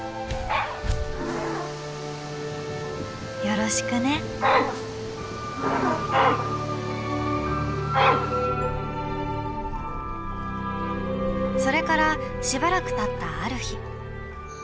「よろしくね」。それからしばらくたったある日。